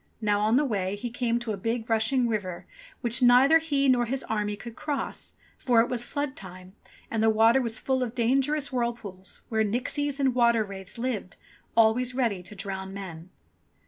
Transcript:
Now, on the way, he came to a big, rushing river, which neither he nor his army could cross, for it was flood time and the water was full of dangerous whirlpools, where nixies and water wraiths lived, always ready to drown men.